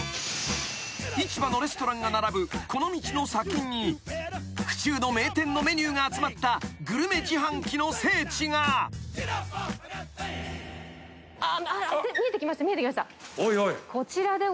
［市場のレストランが並ぶこの道の先に府中の名店のメニューが集まったグルメ自販機の聖地が］おいおい。